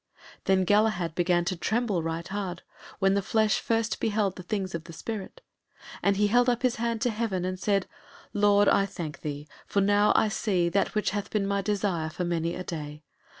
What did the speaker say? Then Galahad began to tremble right hard, when the flesh first beheld the things of the spirit, and he held up his hand to heaven and said, "Lord, I thank thee, for now I see that which hath been my desire for many a day.